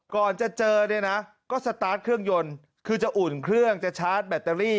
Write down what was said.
ก่อนจะเจอเนี่ยนะก็สตาร์ทเครื่องยนต์คือจะอุ่นเครื่องจะชาร์จแบตเตอรี่